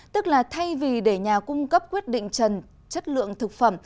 tức là thay vì để nhà cung cấp quyết định trần chất lượng thực phẩm